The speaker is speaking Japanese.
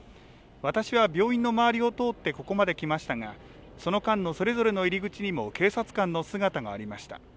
私は病院の周りを通ってここまで来ましたが、その間のそれぞれの入り口にも警察官の姿がありました。